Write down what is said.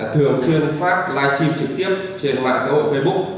thường xuyên phát live stream trực tiếp trên mạng xã hội facebook